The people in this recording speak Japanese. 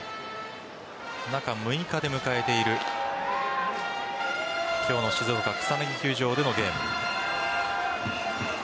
中６日で迎えている今日の静岡・草薙球場でのゲーム。